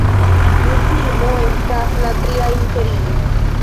Tiu filmo estas la tria inter ili.